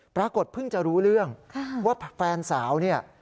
เพิ่งจะรู้เรื่องว่าแฟนสาวเนี่ย